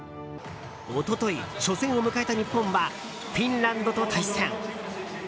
一昨日、初戦を迎えた日本はフィンランドと対戦。